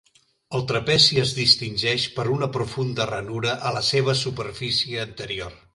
El trapezi es distingeix per una profunda ranura a la seva superfície anterior.